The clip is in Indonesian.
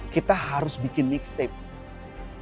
kita harus bikin mixtape